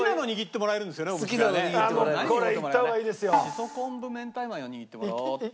しそ昆布明太マヨ握ってもらおうっと。